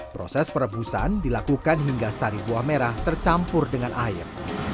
proses perebusan dilakukan hingga sari buah merah tercampur dengan air